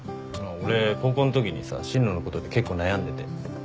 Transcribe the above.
俺高校のときにさ進路のことで結構悩んでて。